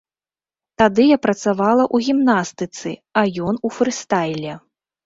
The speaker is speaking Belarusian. Тады я працавала ў гімнастыцы, а ён у фрыстайле.